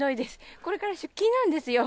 これから出勤なんですよ。